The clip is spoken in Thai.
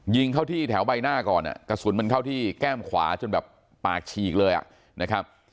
ยิงเข้าที่แถวใบหน้าก่อนกระสุนมันเข้าที่แก้มขวาจนแบบปากฉีกเลยอ่ะนะครับ